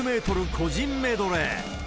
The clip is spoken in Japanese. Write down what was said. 個人メドレー。